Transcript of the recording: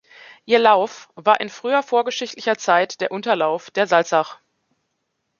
Ihr Lauf war in früher vorgeschichtlicher Zeit der Unterlauf der Salzach.